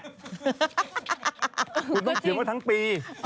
คุณหนุ่มเขียนว่าทั้งปี